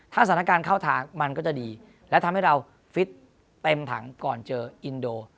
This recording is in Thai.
ถ้าสถานการณ์เข้าทางมันก็จะดีและทำให้เราฟิตเต็มถังก่อนเจออินโด